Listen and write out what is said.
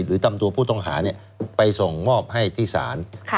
หรือนำตัวผู้ต้องหาไปส่งมอบให้ที่ศาล